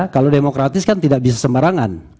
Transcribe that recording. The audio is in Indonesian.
kalau demokratis kan tidak bisa sembarangan